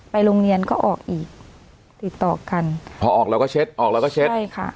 โรงเรียนก็ออกอีกติดต่อกันพอออกเราก็เช็ดออกเราก็เช็ดใช่ค่ะ